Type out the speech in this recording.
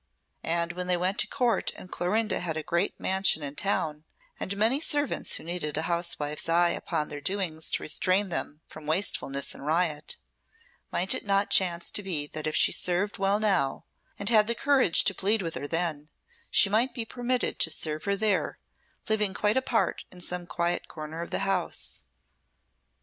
And when they went to court, and Clorinda had a great mansion in town, and many servants who needed a housewife's eye upon their doings to restrain them from wastefulness and riot, might it not chance to be that if she served well now, and had the courage to plead with her then, she might be permitted to serve her there, living quite apart in some quiet corner of the house.